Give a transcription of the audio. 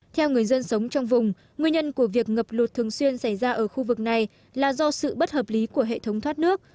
theo người dân sống trong vùng nguyên nhân của việc ngập lụt thường xuyên xảy ra ở khu vực này là do sự bất hợp lý của hệ thống thoát nước